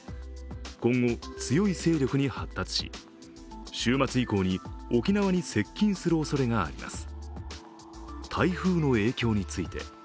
今後、強い勢力に発達し週末以降に沖縄に接近するおそれがあります。